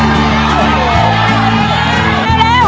มาแล้ว